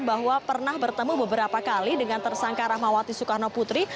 bahwa pernah bertemu beberapa kali dengan tersangka rahmawati soekarno putri